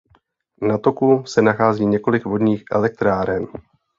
Na toku se nachází několik vodních elektráren.